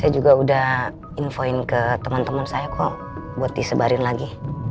saya juga udah infoin ke teman teman saya kok buat disebarin lagi